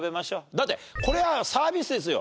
だってこれはサービスですよ。